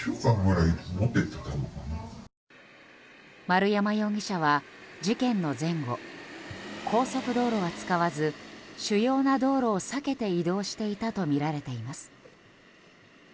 丸山容疑者は事件の前後高速道路は使わず主要な道路を避けて移動していたとみられています。